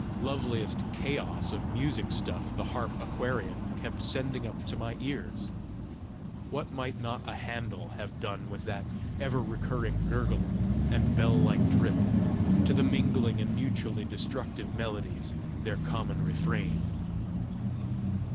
Loveliest chaos of music stuff the harp aquarian kept sending up to my ears! What might not a Händel have done with that ever recurring gurgle and bell like drip, to the mingling and mutually destructive melodies their common refrain!